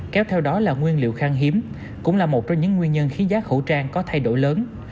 kéo theo đó là nguyên liệu khang hiếm cũng là một trong những nguyên nhân khiến giá khẩu trang có thay đổi lớn